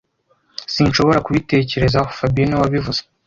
Sinshobora kubitekerezaho fabien niwe wabivuze